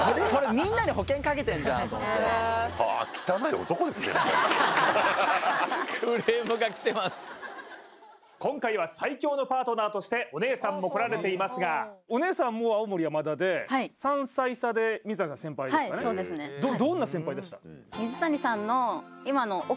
みんなに保険かけてんじゃんと思って今回は最強のパートナーとしてお姉さんも来られていますがお姉さんも青森山田ではいはいそうですねです